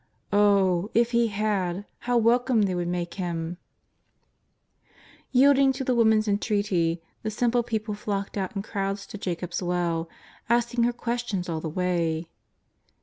Oh, if He had, how welcome they w^ould make Him ! Yield ing to the woman's entreaty, the simple people flocked out in crowds to Jacob's well, asking her questions all the way.